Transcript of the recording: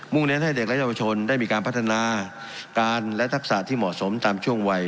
เน้นให้เด็กและเยาวชนได้มีการพัฒนาการและทักษะที่เหมาะสมตามช่วงวัย